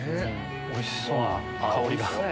おいしそうな香りが。